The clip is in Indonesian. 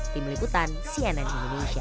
tim liputan cnn indonesia